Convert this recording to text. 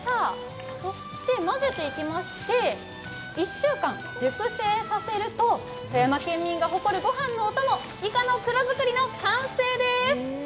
混ぜていきまして１週間、熟成させると富山県民が誇るごはんのお供いかの黒作りの完成です。